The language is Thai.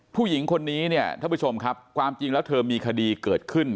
ผู้หญิงคนนี้เนี่ยท่านผู้ชมครับความจริงแล้วเธอมีคดีเกิดขึ้น